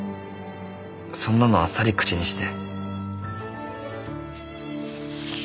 「そんなのあっさり口にして」。